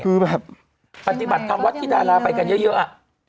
คือแบบปฏิบัติธรรมวัดที่ดาราไปกันเยอะอะ